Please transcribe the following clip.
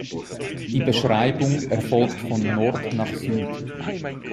Die Beschreibung erfolgt von Nord nach Süd.